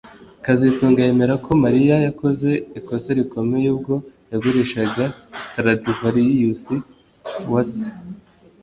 kazitunga yemera ko Mariya yakoze ikosa rikomeye ubwo yagurishaga Stradivarius wa se